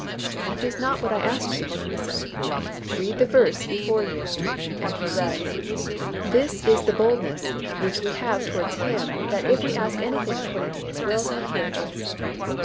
"That is not what I asked you," I said. "Read the verse before you," and he read, "This is the boldness which we have towards Him that if we ask anything according to His will He heareth us."